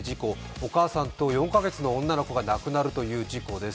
お母さんと４か月の女の子が亡くなるという事故です。